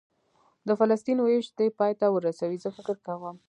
د فلسطین وېش دې پای ته ورسوي، زه فکر کوم.